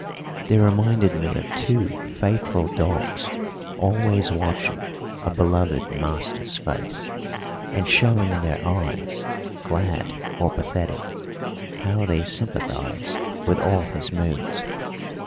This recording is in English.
They reminded me of two faithful dogs always watching a beloved master's face, and showing in their eyes, glad or pathetic, how they sympathise with all his moods.